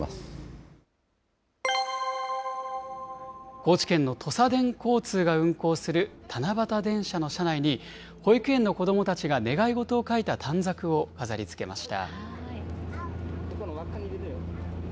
高知県のとさでん交通が運行する七夕電車の車内に、保育園の子どもたちが願い事を書いた短冊を飾りつけました。